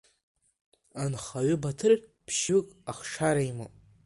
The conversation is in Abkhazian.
Анхаҩы Баҭыр ԥшьҩык ахшара имоуп.